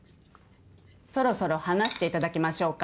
そろそろ話していただきましょうか。